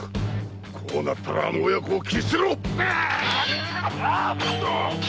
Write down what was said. こうなったらあの親子を斬り捨てろ！